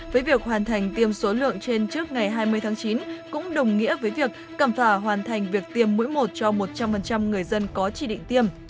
với việc hoàn thành tiêm số lượng trên trước ngày hai mươi tháng chín cũng đồng nghĩa với việc cẩm phả hoàn thành việc tiêm mũi một cho một trăm linh người dân có chỉ định tiêm